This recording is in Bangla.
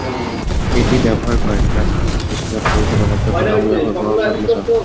এটি ব্যবহার করেন প্রাথমিক স্বাস্থ্যসেবার পরিচালক অধ্যাপক আবু জাফর মোহাম্মদ মুসা।